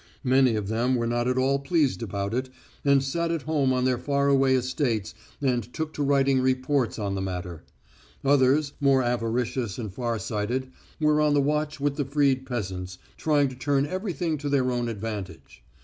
Many of them were not at all pleased about it, and sat at home on their far away estates and took to writing reports on the matter. Others, more avaricious and far sighted, were on the watch with the freed peasants, trying to turn everything to their own advantage.